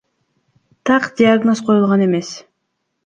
Так диагноз коюлган эмес.